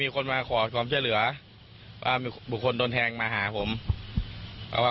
กับทั้ง๓คน